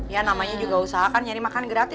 ya namanya juga usahakan nyari makanan gratis